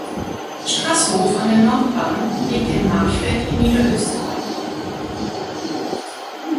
Strasshof an der Nordbahn liegt im Marchfeld in Niederösterreich.